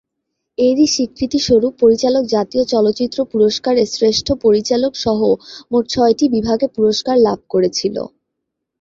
এরই স্বীকৃতি স্বরূপ পরিচালক জাতীয় চলচ্চিত্র পুরস্কার এর শ্রেষ্ঠ পরিচালক, সহ মোট ছয়টি বিভাগে পুরস্কার লাভ করেছিল।